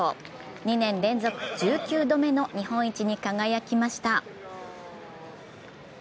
２年連続１９度目の日本一に輝きました。